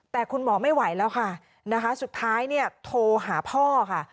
แต่คุณหมอไม่ไหวแล้วค่ะนะคะสุดท้ายเนี่ยโทรหาพ่อค่ะ